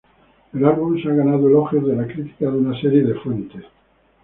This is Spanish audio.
El álbum se ha ganado elogios de la crítica de una serie de fuentes.